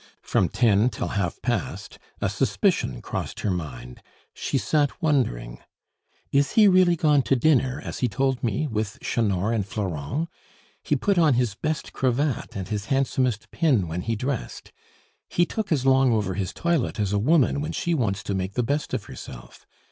From ten till half past, a suspicion crossed her mind; she sat wondering: "Is he really gone to dinner, as he told me, with Chanor and Florent? He put on his best cravat and his handsomest pin when he dressed. He took as long over his toilet as a woman when she wants to make the best of herself.